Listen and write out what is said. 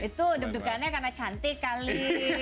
itu deg degan nya karena cantik kali